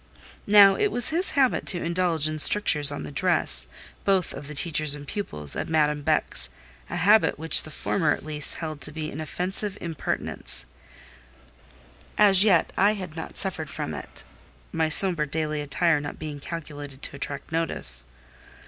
Now it was his habit to indulge in strictures on the dress, both of the teachers and pupils, at Madame Beck's—a habit which the former, at least, held to be an offensive impertinence: as yet I had not suffered from it—my sombre daily attire not being calculated to attract notice.